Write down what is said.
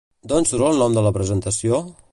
D'on surt el nom de la presentació?